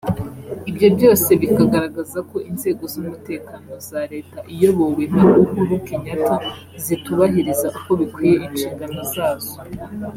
ibyo byose bikagaragaza ko inzego z’umutekano za Leta iyobowe na Uhuru Kenyatta zitubahiriza uko bikwiye inshingano zazo